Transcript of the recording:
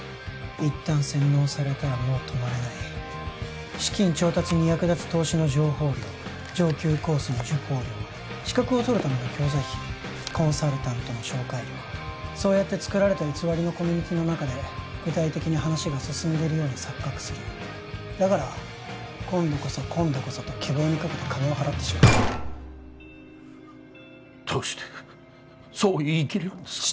一旦洗脳されたらもう止まれない資金調達に役立つ投資の情報料上級コースの受講料資格を取るための教材費コンサルタントの紹介料そうやって作られた偽りのコミュニティーの中で具体的に話が進んでるように錯覚するだから今度こそ今度こそと希望にかけて金を払ってしまうどうしてそう言い切れるんですか？